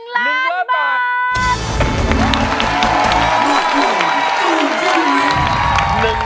๑ล้านบาท